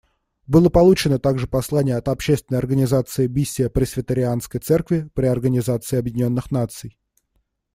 Было получено также послание от общественной организации Миссия Пресвитерианской церкви при Организации Объединенных Наций.